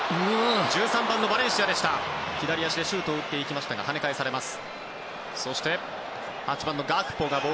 １３番のバレンシアが左足でシュートを打ちましたが跳ね返されます。